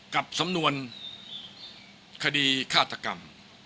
กับสำนวนคดีฆาตกรรม